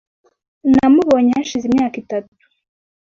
Namubonye hashize imyaka itatu .